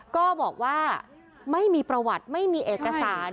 ก็บอกว่าไม่มีประวัติไม่มีเอกสาร